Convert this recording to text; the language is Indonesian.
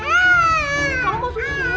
kalau mau susu